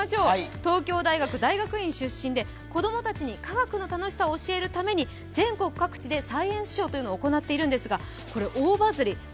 東京大学大学院出身で子供たちに科学の楽しさを教えるために全国各地でサイエンスショーを行っているんですが、大バズり。